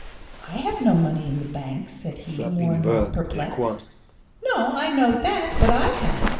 "I have no money in the bank!" said he, more and more perplexed. "No! I knowed that; but I had.